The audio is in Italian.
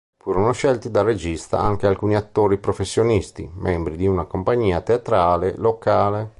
Furono scelti dal regista anche alcuni attori professionisti, membri di una compagnia teatrale locale.